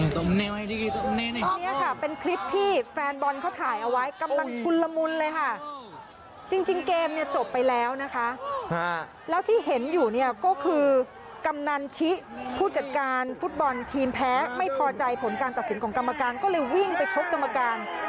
ตรงนี้ค่ะเป็นคลิปที่แฟนบอลเขาถ่ายเอาไว้กำลังชุนละมุนเลยค่ะจริงเกมเนี่ยจบไปแล้วนะคะแล้วที่เห็นอยู่เนี่ยก็คือกำนันชิผู้จัดการฟุตบอลทีมแพ้ไม่พอใจผลการตัดสินของกรรมการก็เลยวิ่งไปชกกรรมการ